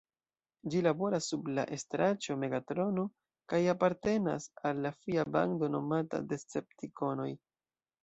Ĝi laboras sub la estraĉo Megatrono kaj apartenas al la fia bando nomata Deceptikonoj.